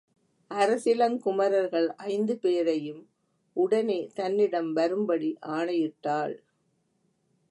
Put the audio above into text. அரசிளங்குமரர்கள் ஐந்து பேரையும் உடனே தன்னிடம் வரும்படி ஆணையிட்டாள்.